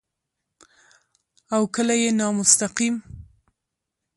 او کله يې نامستقيم